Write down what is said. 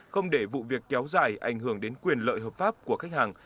không để vụ việc kéo dài ảnh hưởng đến quyền lợi hợp pháp của khách hàng